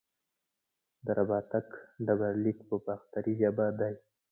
د رباتک ډبرلیک په باختري ژبه دی